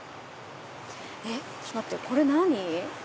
ちょっと待ってこれ何？